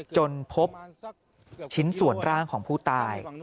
จนพบชิ้นส่วนร่างของผู้ตาย